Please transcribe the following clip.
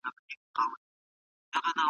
د اجناسو په تولید کي نوي میتودونه کارول سوي دي.